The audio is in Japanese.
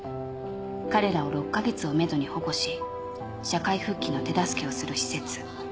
彼らを６か月をめどに保護し社会復帰の手助けをする施設。